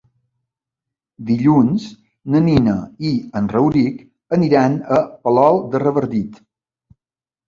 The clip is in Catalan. Dilluns na Nina i en Rauric aniran a Palol de Revardit.